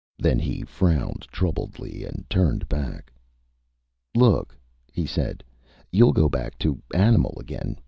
Then he frowned troubledly and turned back. "Look," he said, "you'll go back to animal again.